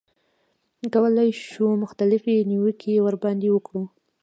کولای شو مختلفې نیوکې ورباندې وکړو.